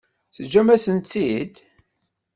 Teǧǧamt-asen-tt-id?